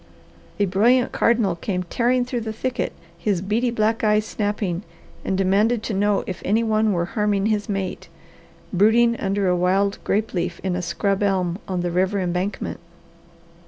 A brilliant cardinal came tearing through the thicket, his beady black eyes snapping, and demanded to know if any one were harming his mate, brooding under a wild grape leaf in a scrub elm on the river embankment.